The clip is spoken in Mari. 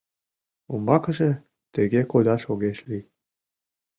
Умбакыже тыге кодаш огеш лий.